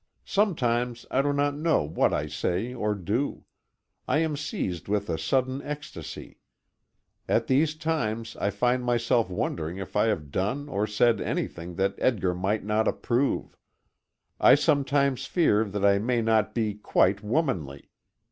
Sometimes I do not know what I say or do. I am seized with a sudden ecstasy. At these times I find myself wondering if I have done or said anything that Edgar might not approve. I sometimes fear that I may not be quite womanly.